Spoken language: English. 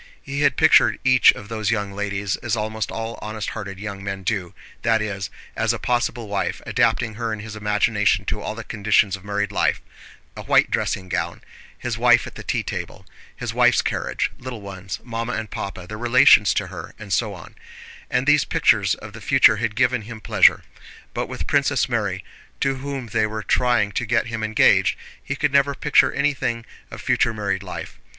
He had pictured each of those young ladies as almost all honest hearted young men do, that is, as a possible wife, adapting her in his imagination to all the conditions of married life: a white dressing gown, his wife at the tea table, his wife's carriage, little ones, Mamma and Papa, their relations to her, and so on—and these pictures of the future had given him pleasure. But with Princess Mary, to whom they were trying to get him engaged, he could never picture anything of future married life.